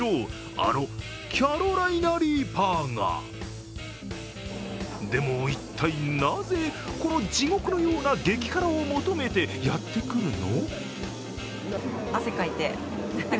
あのキャロライナ・リーパーがでも一体なぜこの地獄のような激辛を求めてやってくるの？